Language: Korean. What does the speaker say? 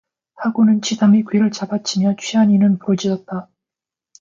하고는 치삼의 귀를 잡아 치며 취한 이는 부르짖었다.